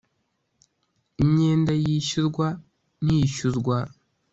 imyenda yishyurwa n iyishyuzwa